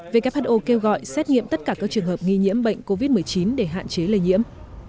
who kêu gọi xét nghiệm tất cả các trường hợp nghi nhiễm bệnh covid một mươi chín để hạn chế lây nhiễm